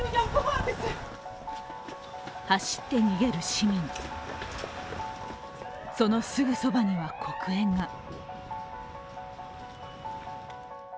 走って逃げる市民、そのすぐそばには黒煙が。